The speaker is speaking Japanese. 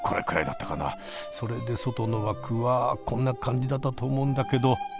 それで外の枠はこんな感じだったと思うんだけど。